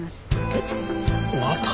えっまた？